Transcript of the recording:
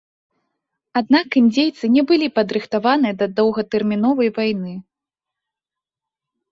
Аднак індзейцы не былі падрыхтаваны да доўгатэрміновай вайны.